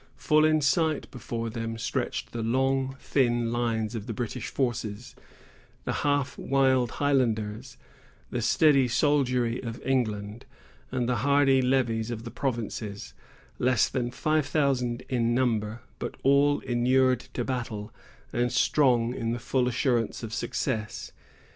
Full in sight before them stretched the long, thin lines of the British forces,——the half wild Highlanders, the steady soldiery of England, and the hardy levies of the provinces,——less than five thousand in number, but all inured to battle, and strong in the full assurance of success.